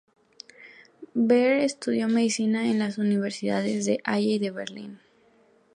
Behr estudió medicina en las Universidades de Halle y de Berlín.